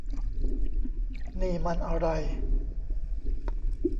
นี่มันอะไร ?